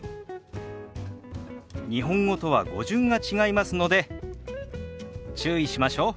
日本語とは語順が違いますので注意しましょう。